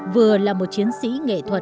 vừa là một chiến sĩ nghệ thuật